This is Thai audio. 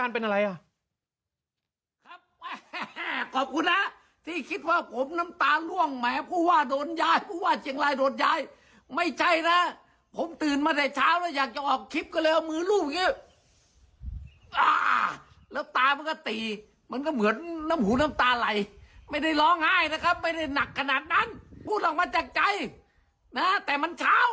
เอ้าแล้วอาจารย์เป็นอะไรอ่ะ